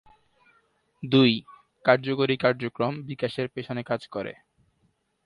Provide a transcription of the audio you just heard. দুই, কার্যকরী কার্যক্রম বিকাশের পিছনে কাজ করে।